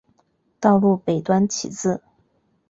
道路北端起自。